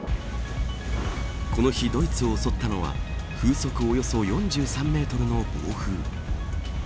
この日、ドイツを襲ったのは風速およそ４３メートルの暴風。